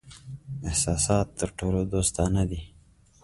احساسات تر ټولو دوستانه دي.